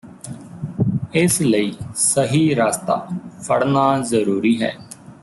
ਇਸ ਲਈ ਸਹੀ ਰਸਤਾ ਫੜਨਾ ਜ਼ਰੂਰੀ ਹੈ